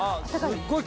すっごい